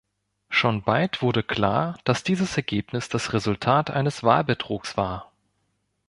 Schon bald wurde klar, dass dieses Ergebnis das Resultat eines Wahlbetrugs war.